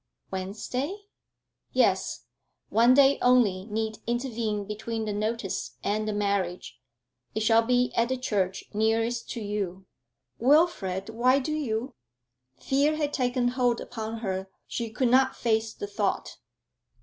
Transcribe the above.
'Wednesday?' 'Yes. One day only need intervene between the notice and the marriage; it shall be at the church nearest to you.' 'Wilfrid, why do you ' Fear had taken hold upon her she could not face the thought.